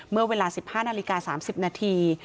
เมื่อเวลา๑๕นาฬิกา๓๐นาที